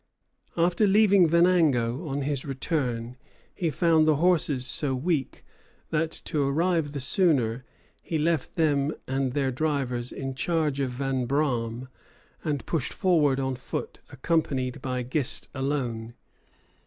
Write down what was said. After leaving Venango on his return, he found the horses so weak that, to arrive the sooner, he left them and their drivers in charge of Vanbraam and pushed forward on foot, accompanied by Gist alone.